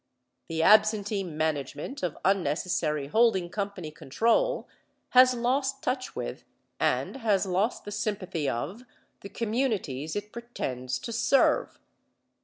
The absentee management of unnecessary holding company control has lost touch with, and has lost the sympathy of, the communities it pretends to serve.